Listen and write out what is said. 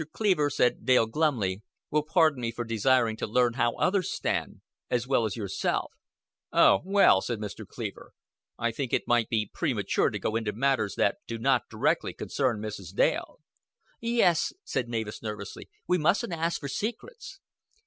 Cleaver," said Dale glumly, "will pardon me for desiring to learn how others stand, as well as yourself." "Oh, well," said Mr. Cleaver, "I think it might be premature to go into matters that do not directly concern Mrs. Dale." "Yes," said Mavis, nervously, "we mustn't ask for secrets."